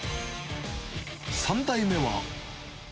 ３代目は。